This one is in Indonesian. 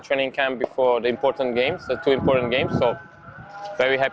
terutama karena ini di rumah kakek dari ibu bapa saya